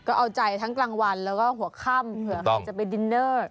ก็เอาใจทั้งกลางวันแล้วก็หัวค่ำเผื่อใครจะไปดินเนอร์